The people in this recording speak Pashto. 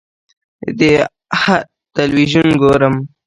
ه تلویزیون ګورم.